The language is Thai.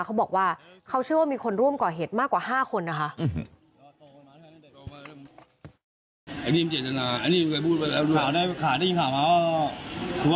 เขาบอกว่าเขาเชื่อว่ามีคนร่วมก่อเหตุมากกว่า๕คนนะคะ